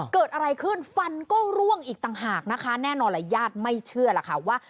เกิดอะไรขึ้นฟันก็ร่วงอีกต่างหากนะคะแน่นอนแหละญาติไม่เชื่อล่ะค่ะว่า